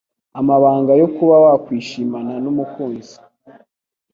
amabanga yokuba wakwishimana n'umukunzi